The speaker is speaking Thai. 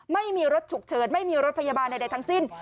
ไม่มีรถฉุกเฉินไม่มีรถพยาบาลใดทั้งสิ้น